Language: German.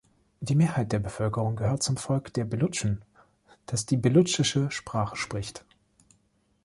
Die Mehrheit der Bevölkerung gehört zum Volk der Belutschen, das die belutschische Sprache spricht.